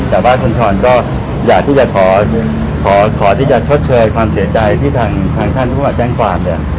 แต่ว่าคุณชอยก็อยากที่จะชดเชยความเสียใจที่ทางท่านผู้มาช่องแจ้งความ